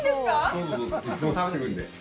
どうぞどうぞいつも食べてるんで。